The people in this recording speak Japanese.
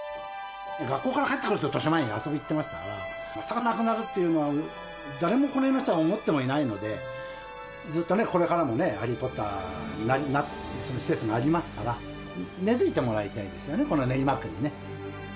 学校から帰ってきたらとしまえんに遊びに行ってましたから、まさかなくなるっていうのは、誰もこの辺の人は思ってもいないので、ずっとこれからもハリー・ポッターの施設になりますから、根づいてもらいたいですよね、この練馬区にね。